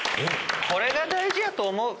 これが大事やと思う。